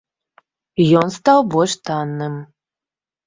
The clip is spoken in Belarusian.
Ён стаў больш танным.